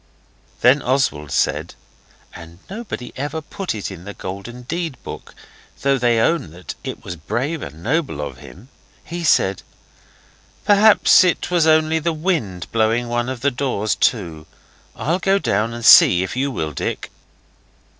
Then Oswald said and nobody ever put it in the Golden Deed book, though they own that it was brave and noble of him he said 'Perhaps it was only the wind blowing one of the doors to. I'll go down and see, if you will, Dick.